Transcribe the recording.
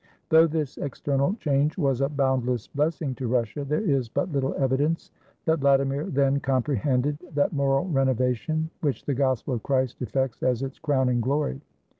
Though this external change was a 30 VLADIMIR IN SEARCH OF A RELIGION boundless blessing to Russia, there is but little evidence that Vladimir then comprehended that moral renovation which the Gospel of Christ effects as its crowning glory.